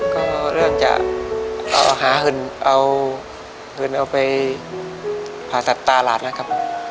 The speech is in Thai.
ก็เรื่องจะเอาหืนเอาไปภาษะตาหลานนะครับ